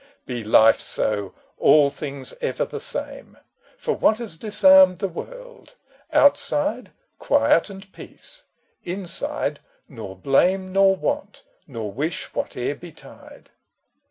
Be life so, all things ever the same ! For, what has disarmed the world ? Outside, Quiet and peace : inside, nor blame Nor want, nor wish whate'er betide.